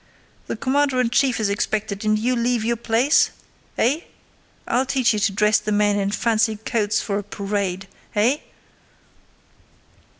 The commander in chief is expected and you leave your place? Eh? I'll teach you to dress the men in fancy coats for a parade.... Eh...?"